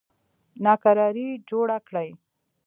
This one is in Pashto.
ناکراري جوړه کړي.